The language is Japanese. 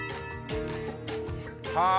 はあ。